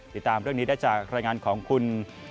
ติดตามเรื่องนี้ได้จากรายงานของคุณ